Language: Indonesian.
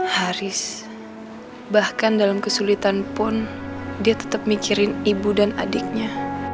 haris bahkan dalam kesulitan pun dia tetap mikirin ibu dan adiknya